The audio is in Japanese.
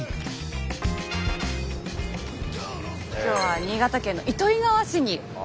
今日は新潟県の糸魚川市にやって参りました。